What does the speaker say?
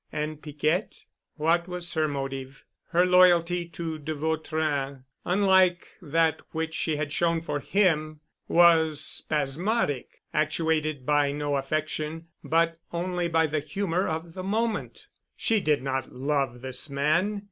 And Piquette——? What was her motive? Her loyalty to de Vautrin, unlike that which she had shown for him, was spasmodic, actuated by no affection but only by the humor of the moment. She did not love this man.